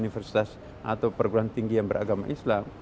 universitas atau perguruan tinggi yang beragama islam